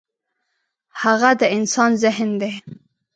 هغه د انسان ذهن دی.